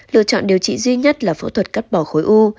lựa chọn điều trị duy nhất là phẫu thuật cắt bỏ khối u